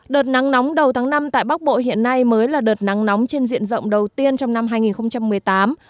đợt nắng nóng đầu tháng năm tại bắc bộ hiện nay mới là đợt nắng nóng trên diện rộng đầu tiên trong năm hai nghìn một mươi tám